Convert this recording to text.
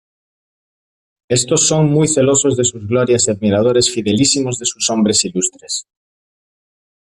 Estos son muy celosos de sus glorias y admiradores fidelísimos de sus hombres ilustres.